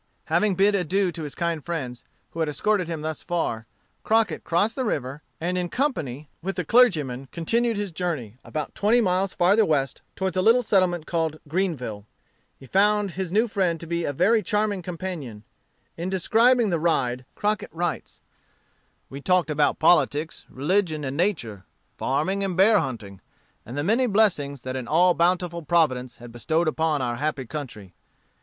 Having bid adieu to his kind friends, who had escorted him thus far, Crockett crossed the river, and in company with the clergyman continued his journey, about twenty miles farther west toward a little settlement called Greenville. He found his new friend to be a very charming companion. In describing the ride, Crockett writes: "We talked about politics, religion, and nature, farming, and bear hunting, and the many blessings that an all bountiful Providence has bestowed upon our happy country.